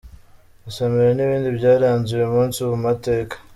Isomere n’ibindi byaranze uyu munsi mu mateka.